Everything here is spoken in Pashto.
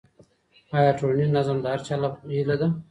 آیا ټولنیز نظم د هر چا هيله ده؟